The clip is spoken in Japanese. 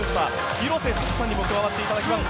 広瀬すずさんにも加わっていただきます。